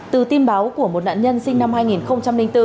từ tin báo của một nạn nhân sinh năm hai nghìn bốn